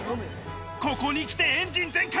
ここに来てエンジン全開！